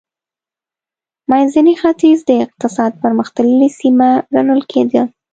منځنی ختیځ د اقتصاد پرمختللې سیمه ګڼل کېده.